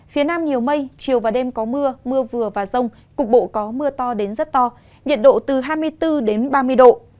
phía nam nhiều mây chiều và đêm có mưa mưa vừa và rông cục bộ có mưa to đến rất to nhiệt độ từ hai mươi bốn đến ba mươi độ